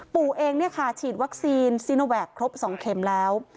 ปู่เองเนี่ยค่ะฉีดวัคซีนซีโนแวคครบ๒เข็มแล้ว